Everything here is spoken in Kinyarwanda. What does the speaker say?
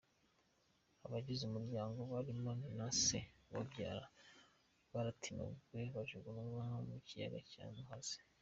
Abagize umuryango barimo na Se ubabyara baratemaguwe bajugunywa mu kiyaga cya Muhazi.